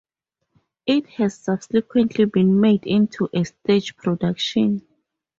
It has subsequently been made into a stage production.